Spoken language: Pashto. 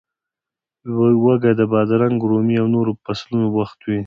وږی د بادرنګ، رومي او نورو فصلونو وخت وي.